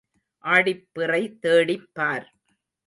ஆடிப் பிறை தேடிப் பார்.